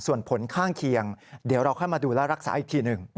ส่วนผลข้างเคียงเดี๋ยวเราค่อยมาดูและรักษาอีกทีหนึ่ง